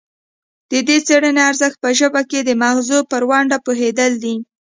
د دې څیړنې ارزښت په ژبه کې د مغزو پر ونډه پوهیدل دي